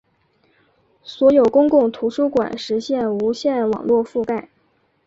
所有公共图书馆实现无线网络覆盖。